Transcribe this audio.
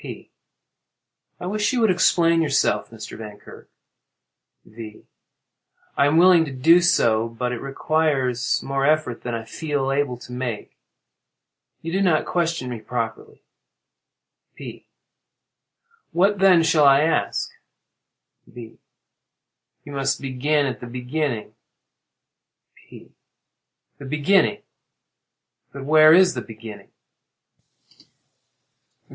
P. I wish you would explain yourself, Mr. Vankirk. V. I am willing to do so, but it requires more effort than I feel able to make. You do not question me properly. P. What then shall I ask? V. You must begin at the beginning. P. The beginning! But where is the beginning?